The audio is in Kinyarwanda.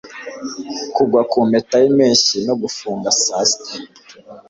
kugwa kumpeta yimpeshyi no gufunga saa sita